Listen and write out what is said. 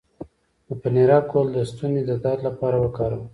د پنیرک ګل د ستوني د درد لپاره وکاروئ